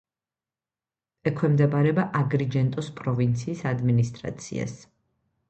ექვემდებარება აგრიჯენტოს პროვინციის ადმინისტრაციას.